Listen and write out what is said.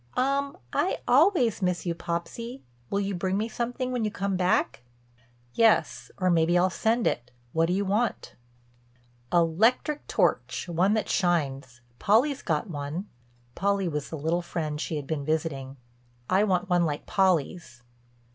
"Um, I always miss you, Popsy. Will you bring me something when you come back?" "Yes, or maybe I'll send it. What do you want?" "A 'lectric torch—one that shines. Polly's got one"—Polly was the little friend she had been visiting—"I want one like Polly's."